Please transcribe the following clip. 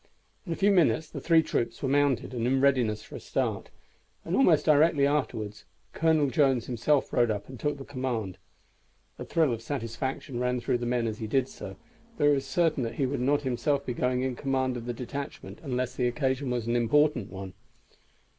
In a few minutes the three troops were mounted and in readiness for a start, and almost directly afterward Colonel Jones himself rode up and took the command. A thrill of satisfaction ran through the men as he did so, for it was certain that he would not himself be going in command of the detachment unless the occasion was an important one.